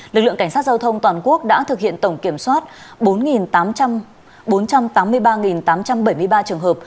lực lượng cảnh sát giao thông toàn quốc đã thực hiện tổng kiểm soát bốn trăm tám mươi ba tám trăm bảy mươi ba trường hợp